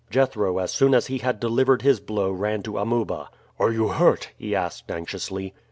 Jethro as soon as he had delivered his blow ran to Amuba. "Are you hurt?" he asked anxiously.